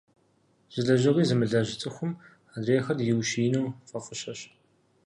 Зы лэжьыгъи зымылэжь цӀыхум адрейхэр иущиину фӀэфӀыщэщ.